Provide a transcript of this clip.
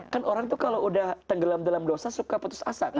kan orang tuh kalau udah tenggelam tenggelam dosa suka putus asa kan